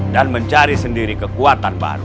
dan mencari sendiri kekuatan baru